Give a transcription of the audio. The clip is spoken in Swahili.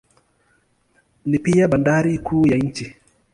Ni pia bandari kuu ya nchi.